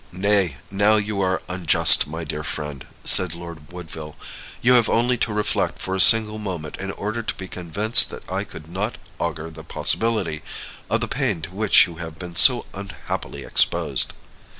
"Nay, now you are unjust, my dear friend," said Lord Woodville. "You have only to reflect for a single moment in order to be convinced that I could not augur the possibility of the pain to which you have been so unhappily exposed.